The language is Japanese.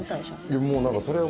いやもう何かそれは。